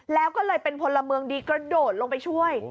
แล้วก็เลยเป็นพลเมืองดีกระโดดลงไปช่วย